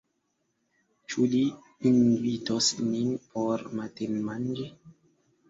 Ĉu li invitos nin por matenmanĝi?